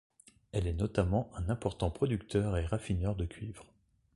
Elle est notamment un important producteur et raffineur de cuivre.